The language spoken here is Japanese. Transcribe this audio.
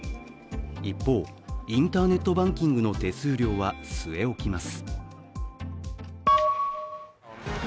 一方、インターネットバンキングの手数料は据え置きます。